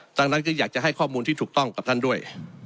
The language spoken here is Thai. ดังนั้นก็อยากจะให้ข้อมูลที่ถูกต้องกับท่านด้วย